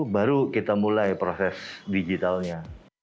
baru kita mulai proses digitalnya